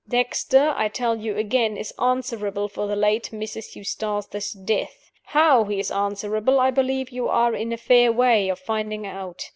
Dexter (I tell you again) is answerable for the late Mrs. Eustace's death. How he is answerable I believe you are in a fair way of finding out.